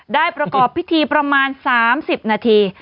ประกอบพิธีประมาณ๓๐นาที